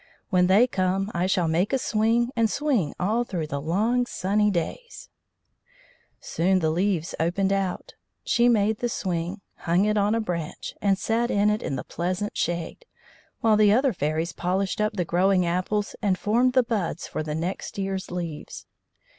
"When they come I shall make a swing, and swing all through the long sunny days." Soon the leaves opened out. She made the swing, hung it on a branch, and sat in it in the pleasant shade, while the other fairies polished up the growing apples and formed the buds for the next year's leaves.